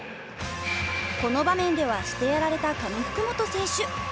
この場面ではしてやられた上福元選手。